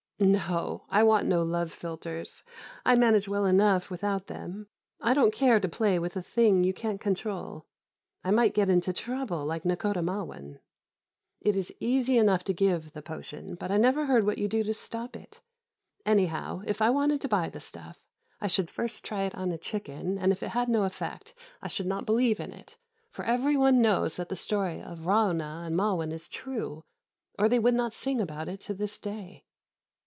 "No. I want no love philtres. I manage well enough without them. I don't care to play with a thing you can't control. I might get into trouble, like Nakhôdah Ma'win. It is easy enough to give the potion, but I never heard what you do to stop it. Anyhow, if I wanted to buy the stuff, I should first try it on a chicken, and if it had no effect I should not believe in it, for every one knows that the story of Ra'ûnah and Ma'win is true, or they would not sing about it to this day.